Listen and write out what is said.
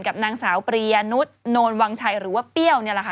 กับนางสาวปริยนุษย์โนนวังชัยหรือว่าเปรี้ยวนี่แหละค่ะ